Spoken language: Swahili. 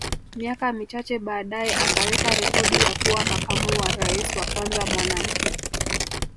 Miaka michache baadae akaweka rekodi ya kuwa makamu wa Rais wa kwanza mwanamke